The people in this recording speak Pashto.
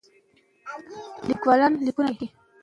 د لیکوالو تلینونه زموږ د تاریخي او ادبي هویت یوه مهمه برخه ده.